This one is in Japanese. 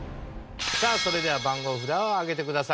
さあそれでは番号札を上げてください。